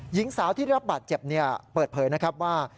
หญิงสาวที่ได้รับบาดเจ็บเปิดเผยนะครับว่า